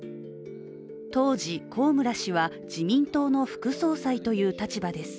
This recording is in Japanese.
当時、高村氏は自民党の副総裁という立場です。